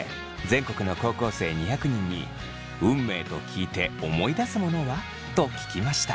全国の高校生２００人に運命と聞いて思い出すものは？と聞きました。